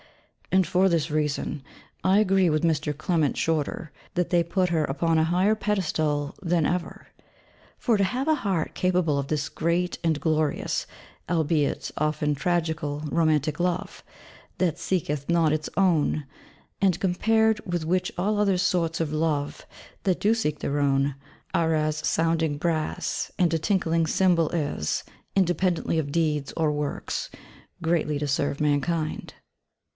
And for this reason, I agree with Mr. Clement Shorter that they put her upon a higher pedestal than ever. For to have a heart capable of this great and glorious, albeit often tragical, romantic Love, that 'seeketh not its own,' and compared with which all other sorts of love, that do seek their own, are as sounding brass and a tinkling cymbal is, independently of deeds or works, greatly to serve mankind.